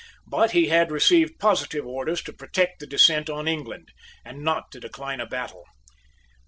But he had received positive orders to protect the descent on England, and not to decline a battle.